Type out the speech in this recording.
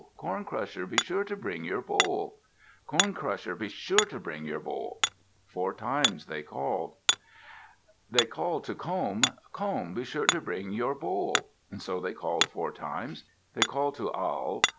Corn Crusher, be sure to bring your bowl! Corn Crusher, be sure to bring your bowl!" Four times they called. They called to Comb. "Comb, be sure to bring your bowl!" So they called four times. They called to Awl.